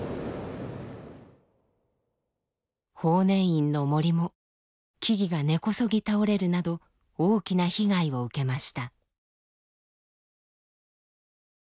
法然院の森も木々が根こそぎ倒れるなど大きな被害を受けました。